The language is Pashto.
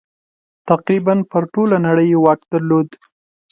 تقریباً پر ټوله نړۍ یې واک درلود.